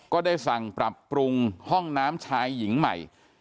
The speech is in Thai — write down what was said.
ก็ได้สั่งปรับปรุงห้องน้ำชายหญิงใหม่